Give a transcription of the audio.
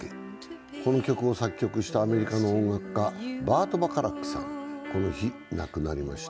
この曲を作曲したアメリカの音楽家、バート・バカラックさん、この日、亡くなりました。